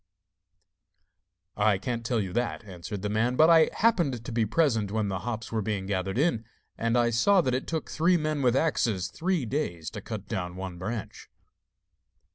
'I can't tell you that,' answered the man, 'but I happened to be present when the hops were being gathered in, and I saw that it took three men with axes three days to cut down one branch.